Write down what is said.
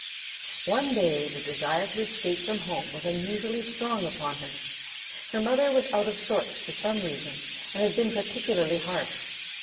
One day the desire to escape from home was unusually strong upon her. Her mother was out of sorts for some reason and had been particularly harsh.